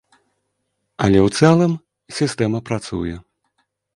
Але ў цэлым сістэма працуе.